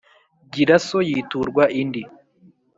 giraso yiturwa indi.